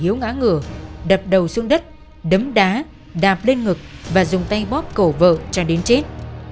hiếu ngã ngửa đập đầu xuống đất đấm đá đạp lên ngực và dùng tay bóp cổ vợ cho đến chết